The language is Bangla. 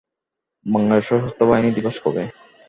বাংলাদেশ সশস্ত্র বাহিনী দিবস কবে?